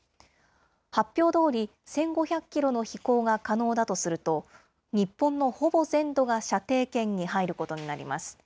発表どおり、１５００キロの飛行が可能だとすると、日本のほぼ全土が射程圏に入ることになります。